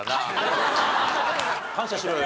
感謝しろよ